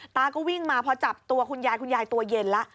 ก็วิ่งมาพอจับตัวคุณยายคุณยายตัวเย็นแล้ว